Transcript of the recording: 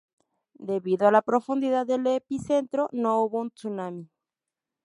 Debido a la profundidad del epicentro, no hubo un tsunami.